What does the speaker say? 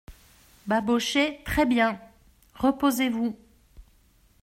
Babochet Très-bien ! reposez-vous.